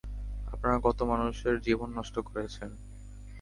আপনারা কত মানুষের জীবন নষ্ট করেছেন?